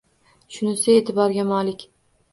Shunisi e’tiborga molik.